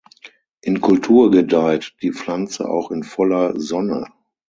In Kultur gedeiht die Pflanze auch in voller Sonne.